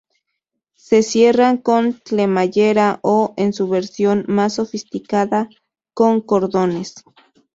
Se cierran con cremallera o, en su versión más sofisticada, con cordones.